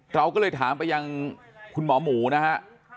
เราก็เลยถามไปยังคุณหมอหมูนะฮะ